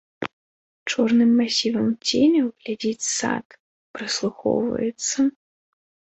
Чорным масівам ценяў глядзіць сад, прыслухоўваецца.